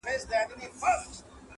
په لسگونو انسانان یې وه وژلي-